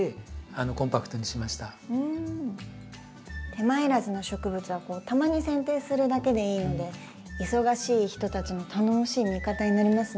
手間いらずな植物はたまにせん定するだけでいいので忙しい人たちの頼もしい味方になりますね。